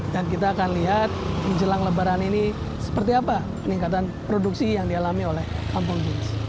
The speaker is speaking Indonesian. dan kita akan lihat menjelang lebaran ini seperti apa peningkatan produksi yang dialami oleh kampung jeans